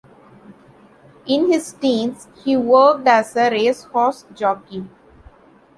In his teens, he worked as a racehorse jockey.